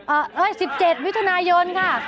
เอ่อเอ้ยสิบเจ็ดวิทยานายนค่ะ